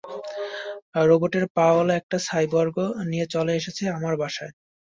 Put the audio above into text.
রোবটের পা ওয়ালা একটা সাইবর্গ নিয়ে চলে এসেছ আমার বাসায়?